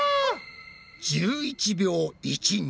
１１秒１２！